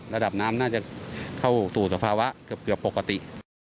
ระดับน้ำน่าจะเข้าสู่สภาวะเกือบปกติ